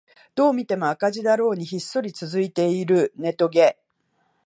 どう見ても赤字だろうにひっそり続いているネトゲ